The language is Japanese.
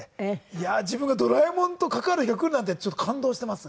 いやー自分が『ドラえもん』と関わる日が来るなんてってちょっと感動しています。